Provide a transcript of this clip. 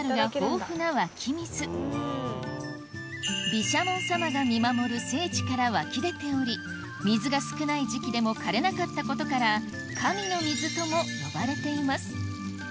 毘沙門様が見守る聖地から湧き出ており水が少ない時期でも枯れなかったことから神の水とも呼ばれています